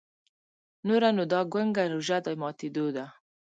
نوره نو دا ګونګه روژه د ماتېدو ده.